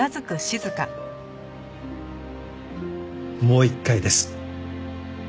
もう一回です。